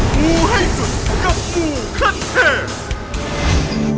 งูให้สุดกับงูขั้นเทพ